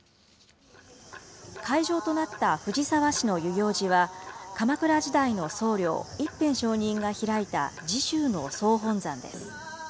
会場となった藤沢市の遊行寺は、鎌倉時代の僧侶、一遍上人が開いた時宗の総本山です。